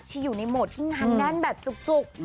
เชี่ยวอยู่ในโหมดที่งานแด้งแบบจุก